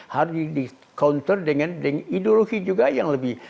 harus di counter dengan ideologi juga yang lebih